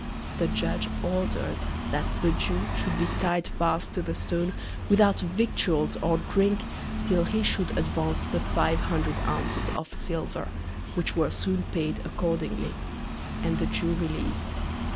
The Judge order'd that the Jew should be tied fast to the Stone, without Victuals or Drink, till he should advance the five hundred Ounces of Silver, which were soon paid accordingly, and the Jew releas'd.